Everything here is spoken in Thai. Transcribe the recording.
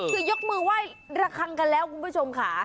คือยกมือไหว้ระคังกันแล้วคุณผู้ชมค่ะ